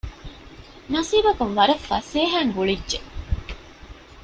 ނަސީބަކުން ވަރަށް ފަސޭހައިން ގުޅިއްޖެ